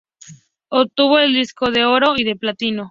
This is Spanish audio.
Obtuvo el disco de oro y de platino.